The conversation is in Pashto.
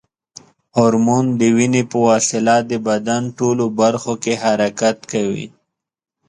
هورمون د وینې په وسیله د بدن ټولو برخو کې حرکت کوي.